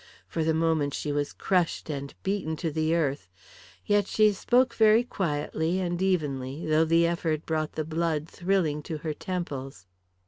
For the moment she was crushed and beaten to the earth. Yet she spoke very quietly and evenly, though the effort brought the blood thrilling to her temples.